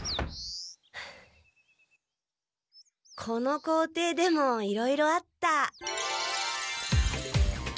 この校庭でもいろいろあった。